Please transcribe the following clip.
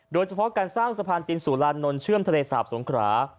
โดยเฉพาะการสร้างสะพานตินสุรานนทเชื่อมทะเลสาบสงขรา